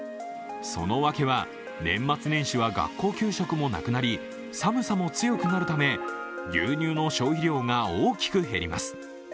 そのわけは、年末年始は学校給食もなくなり寒さも強くなるため、牛乳の消費量が大きく減ります。